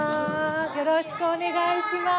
よろしくお願いします。